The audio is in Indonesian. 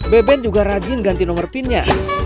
beben juga rajin ganti nomor pinnya